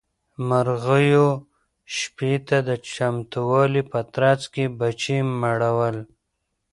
مرغيو شپې ته د چمتووالي په ترڅ کې بچي مړول.